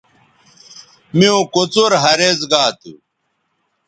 میوں کوڅر ھریز گا تھو